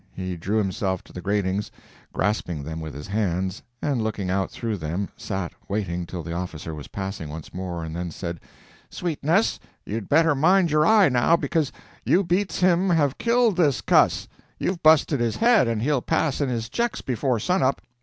He drew himself to the gratings, grasping them with his hands, and looking out through them, sat waiting till the officer was passing once more, and then said: "Sweetness, you'd better mind your eye, now, because you beats have killed this cuss. You've busted his head and he'll pass in his checks before sun up.